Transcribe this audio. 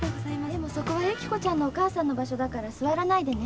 でもそこはゆきこちゃんのお母さんの場所だから座らないでね。